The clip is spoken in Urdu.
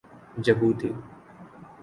جبوتی